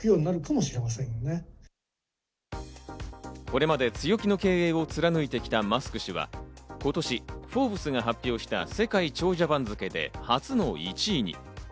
これまで強気の経営を貫いてきたマスク氏は今年『フォーブス』が発表した世界長者番付で初の１位に。